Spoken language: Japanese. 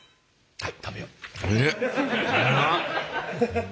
はい。